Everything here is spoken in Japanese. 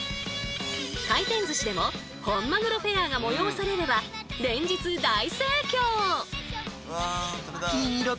回転寿司でも本マグロフェアが催されれば連日大盛況！